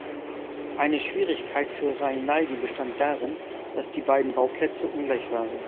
Eine Schwierigkeit für Rainaldi bestand darin, dass die beiden Bauplätze ungleich waren.